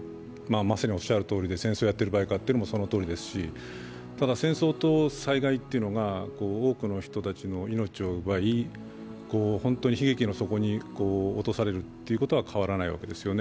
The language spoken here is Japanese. まさにおっしゃるとおりで戦争やってる場合かというのもそのとおりですし、ただ戦争と災害というのが多くの人たちの命を奪い本当に悲劇の底に落とされるということは変わらないですよね。